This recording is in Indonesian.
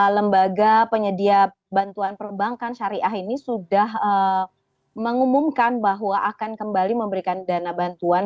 lembaga penyedia bantuan perbankan syariah ini sudah mengumumkan bahwa akan kembali memberikan dana bantuan